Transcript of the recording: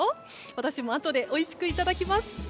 私もあとでおいしくいただきます。